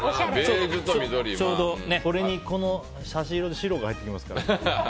これにこの差し色で白が入ってきますから。